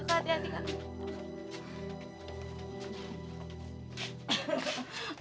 yuk hati hati kak